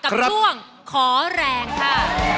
กับช่วงขอแรงค่ะ